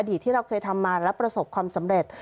ที่เราเคยทำมาและประสบความสำเร็จ